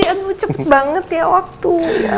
sd anu cepet banget ya waktu